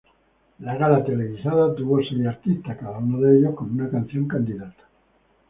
La gala televisada tuvo seis artistas, cada uno de ellos con una canción candidata.